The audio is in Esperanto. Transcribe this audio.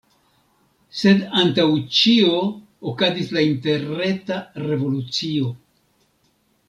Sed antaŭ ĉio okazis la interreta revolucio.